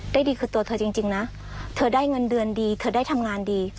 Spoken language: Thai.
ดีคือตัวเธอจริงนะเธอได้เงินเดือนดีเธอได้ทำงานดี